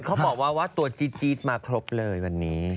เขาบอกว่าตัวจี๊ดมาครบเลยวันนี้